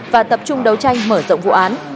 và tập trung đấu tranh mở rộng vụ án